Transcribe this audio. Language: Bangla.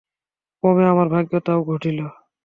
ক্রমে আমার ভাগ্যে তাও ঘটিল।